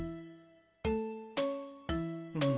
うん。